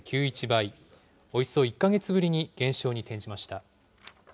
およそ１か月ぶりに減少に転じました。